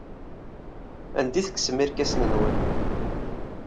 Anda ay tekksem irkasen-nwen?